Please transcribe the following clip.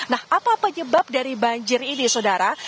nah apa penyebab dari banjir ini saudara